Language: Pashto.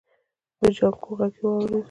د جانکو غږ يې واورېد.